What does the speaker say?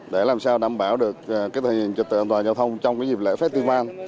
để làm sao đảm bảo được cái thể hiện trật tự an toàn giao thông trong cái dịp lễ festival